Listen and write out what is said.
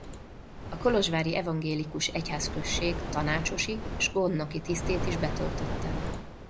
A kolozsvári evangélikus egyház-község tanácsosi s gondnoki tisztét is betöltötte.